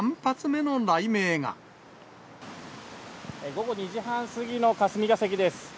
午後２時半過ぎの霞が関です。